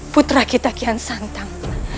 putra kita kian santang